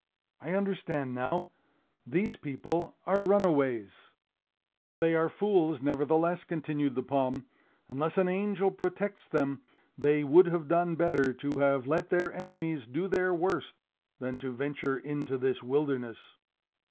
I understand now: these people are runaways. "But they are fools, nevertheless," continued the palm. "Unless an angel protects them, they would have done better to have let their enemies do their worst, than to venture into this wilderness.